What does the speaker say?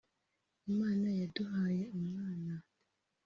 Imana yaduhaye umwana